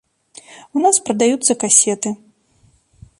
У нас прадаюцца касеты.